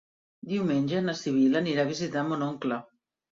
Diumenge na Sibil·la anirà a visitar mon oncle.